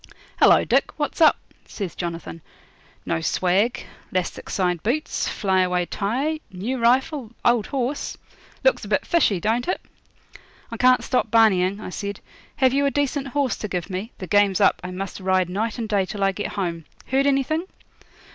'Hello, Dick, what's up?' says Jonathan. 'No swag, 'lastic side boots, flyaway tie, new rifle, old horse; looks a bit fishy don't it?' 'I can't stop barneying,' I said. 'Have you a decent horse to give me? The game's up. I must ride night and day till I get home. Heard anything?'